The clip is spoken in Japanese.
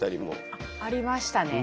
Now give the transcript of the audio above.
ありましたね。